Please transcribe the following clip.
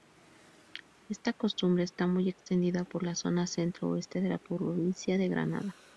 Esta costumbre está muy extendida por la zona centro-oeste de la provincia de Granada.